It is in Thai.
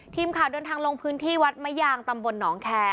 ทีมข่าวเดินทางลงพื้นที่วัดมะยางตำบลหนองแคร์